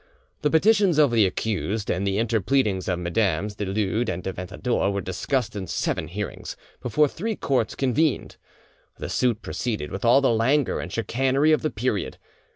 The petitions of the accused and the interpleadings of Mesdames du Lude and de Ventadour were discussed in seven hearings, before three courts convened. The suit proceeded with all the languor and chicanery of the period.